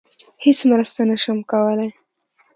هیڅ مرسته نشم کولی.